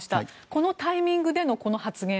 このタイミングでのこの発言